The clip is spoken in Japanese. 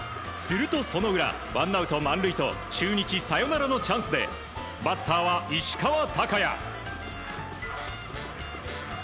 するとその裏、ワンアウト満塁と中日サヨナラのチャンスでバッターは石川昂弥。